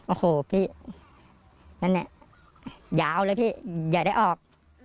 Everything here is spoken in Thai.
โอ้โหพี่นั่นเนี่ยอย่าเอาเลยพี่อยากได้ออก